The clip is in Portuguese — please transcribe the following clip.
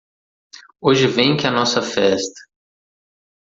Hoje vem que a nossa festa.